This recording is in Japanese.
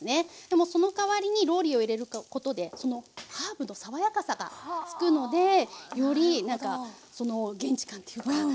でもそのかわりにローリエを入れることでそのハーブの爽やかさがつくのでよりなんかその現地感っていうかエスニック感が出てきます。